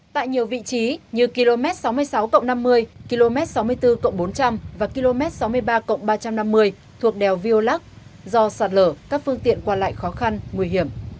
tại nhiều vị trí như km sáu mươi sáu năm mươi km sáu mươi bốn bốn trăm linh và km sáu mươi ba ba trăm năm mươi thuộc đèo viêu lắc do sạt lở các phương tiện qua lại khó khăn nguy hiểm